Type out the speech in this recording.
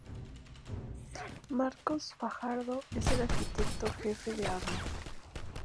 Marcos Fajardo es el arquitecto jefe de Arnold.